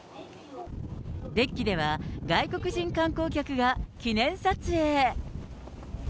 デッキでは外国人観光客が記念撮影。